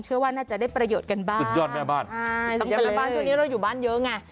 เชื่อว่าน่าจะได้ประโยชน์กันบ้างสุดยอดแม่บ้านใช่สำหรับบ้านช่วงนี้เราอยู่บ้านเยอะไง